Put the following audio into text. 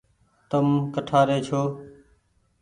تم ڪٺآري ڇو۔